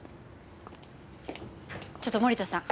ちょっと森田さん。